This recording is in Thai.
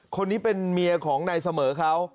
คนนี้เป็นเมียของนายเสมอเขา